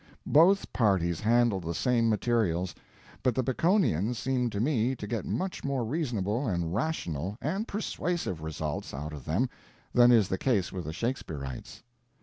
Both parties handle the same materials, but the Baconians seem to me to get much more reasonable and rational and persuasive results out of them than is the case with the Shakespearites.